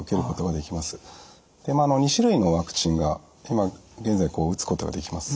２種類のワクチンが現在打つことができます。